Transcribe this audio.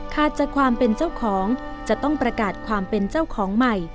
จากความเป็นเจ้าของจะต้องประกาศความเป็นเจ้าของใหม่